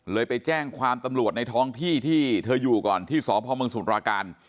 ไปแจ้งความตำรวจในท้องที่ที่เธออยู่ก่อนที่สพมสมุทราการ